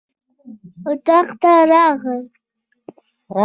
اطاق ته راغلو.